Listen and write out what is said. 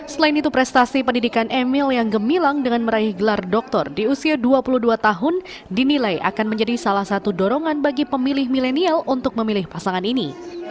selain itu prestasi pendidikan emil yang gemilang dengan meraih gelar doktor di usia dua puluh dua tahun dinilai akan menjadi salah satu dorongan bagi pemilih milenial untuk memilih pasangan ini